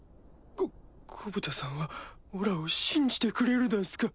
ゴゴブタさんはおらを信じてくれるだすか？